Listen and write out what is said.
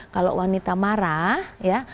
kalau wanita marah ya